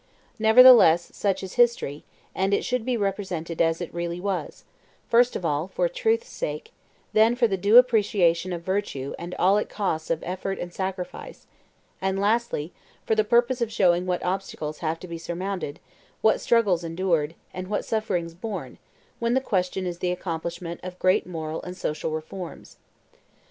Nevertheless, such is history; and it should be represented as it really was: first of all, for truth's sake; then for the due appreciation of virtue and all it costs of effort and sacrifice; and, lastly, for the purpose of showing what obstacles have to be surmounted, what struggles endured, and what sufferings borne, when the question is the accomplishment of great moral and social reforms.